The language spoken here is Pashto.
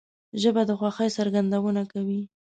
ژبه د خوښۍ څرګندونه کوي